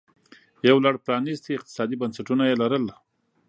یو لړ پرانیستي اقتصادي بنسټونه یې لرل